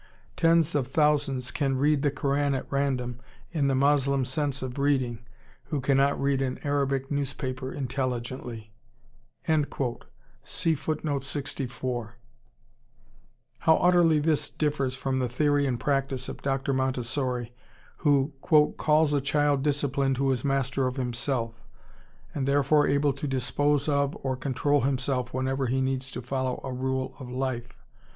Tens of thousands can 'read' the Koran at random in the Moslem sense of reading, who cannot read an Arabic newspaper intelligently." How utterly this differs from the theory and practice of Dr. Montessori, who "calls a child disciplined who is master of himself, and therefore able to dispose of or control himself whenever he needs to follow a rule of life.